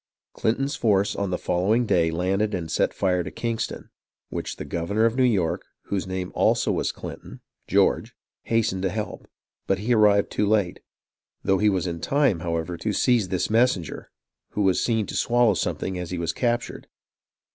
Clinton's force on the following day landed and set fire to Kingston, which the governor of New York, whose name also was Clinton [George], hastened to help, but he arrived too late, though he was in time, however, to seize this messenger, who was seen to swallow something as he BURGOYNE'S SURRENDER 209 was captured.